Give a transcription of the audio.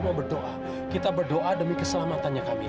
kamu buat kita jaga mila lepaskan mila